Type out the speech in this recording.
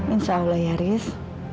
insya allah ya ris